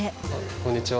こんにちは。